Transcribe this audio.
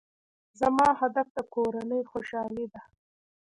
زما هدف د کورنۍ خوشحالي ده.